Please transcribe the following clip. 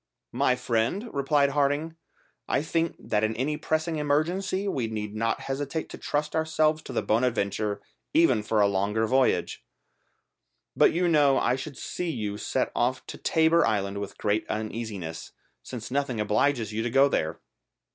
"My friend," replied Harding, "I think that in any pressing emergency we need not hesitate to trust ourselves to the Bonadventure even for a longer voyage; but you know I should see you set off to Tabor Island with great uneasiness, since nothing obliges you to go there."